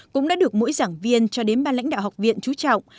cũng đã được mỗi giảng viên cho đến ban lãnh đạo học viện chú trọng